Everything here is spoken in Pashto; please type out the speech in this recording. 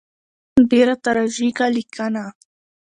ډېره تراژیکه لیکنه.